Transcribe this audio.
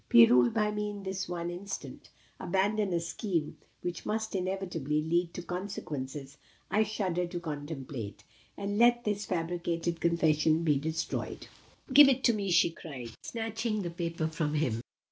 Be ruled by me in this one instance. Abandon a scheme which must inevitably lead to consequences I shudder to contemplate; and let this fabricated confession be destroyed." "Give it me," she cried, snatching the paper from him.